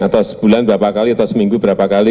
atau sebulan berapa kali atau seminggu berapa kali